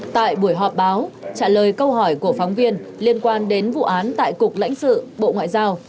tại buổi họp báo trả lời câu hỏi của phóng viên liên quan đến vụ án tại cục lãnh sự bộ ngoại giao